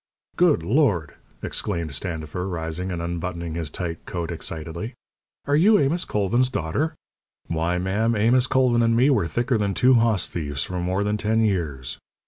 "Good Lord!" exclaimed Standifer, rising and unbuttoning his tight coat, excitedly. "Are you Amos Colvin's daughter? Why, ma'am, Amos Colvin and me were thicker than two hoss thieves for more than ten years!